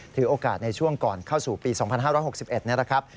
ถือโอกาสในช่วงก่อนเข้าสู่ปี๒๕๖๑นะครับ